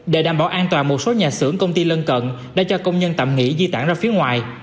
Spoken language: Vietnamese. để đảm bảo an toàn một số nhà xưởng công ty lân cận đã cho công nhân tạm nghỉ di tản ra phía ngoài